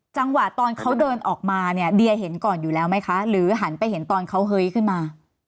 จังหวะตอนเขาเดินออกมาเนี่ยเดียเห็นก่อนอยู่แล้วไหมคะหรือหันไปเห็นตอนเขาเฮ้ยขึ้นมา